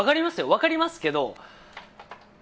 分かりますけど。